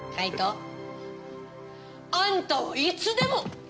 介人あんたはいつでも。